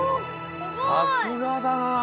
さすがだな。